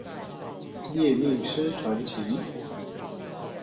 獵命師傳奇